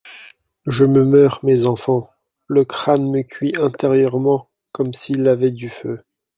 Je me meurs, mes enfants ! Le crâne me cuit intérieurement comme s'il avait du feu.